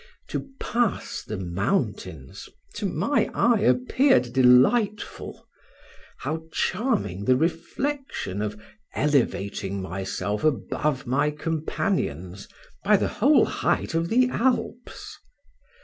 To pass the mountains, to my eye appeared delightful; how charming the reflection of elevating myself above my companions by the whole height of the Alps!